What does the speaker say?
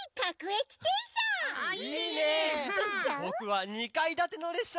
ぼくは２かいだてのれっしゃがいいな！